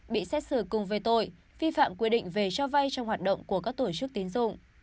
bị xét xử cùng về tội vi phạm quy định về cho vay trong hoạt động của các tổ chức tín dụng